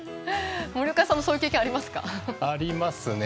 森岡さんもそういう経験ありますか？